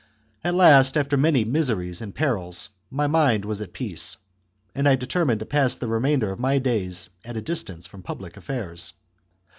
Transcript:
At last, after many miseries and perils, my mind was at peace, and I determined to pass the re mainder of my days at a distance from public affairs.